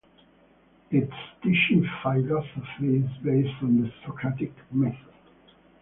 Its teaching philosophy is based on the Socratic method.